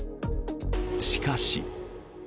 しかし。